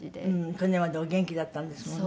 去年までお元気だったんですものね。